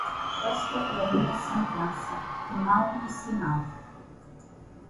Esta é a minha sentença, que mão e sinal.